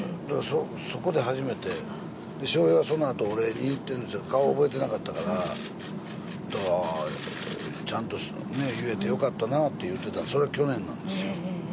そこで初めて笑瓶はそのあとお礼に行ってるんですけど顔、覚えてなかったからだから、ちゃんと言えてよかったなって言ってたそれが去年なんですよ。